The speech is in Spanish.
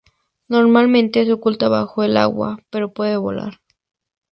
Normalmente se oculta bajo el agua, pero puede volar.